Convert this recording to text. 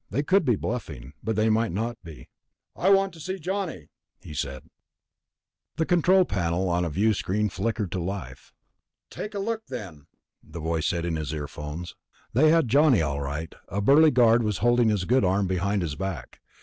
They could be bluffing ... but they might not be. "I want to see Johnny," he said. On the control panel a viewscreen flickered to life. "Take a look, then," the voice said in his earphones. They had Johnny, all right. A burly guard was holding his good arm behind his back.